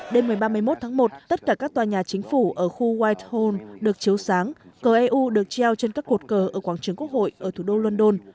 đêm một mươi ba mươi một tháng một tất cả các tòa nhà chính phủ ở khu whitehall được chiếu sáng cờ eu được treo trên các cột cờ ở quảng trường quốc hội ở thủ đô london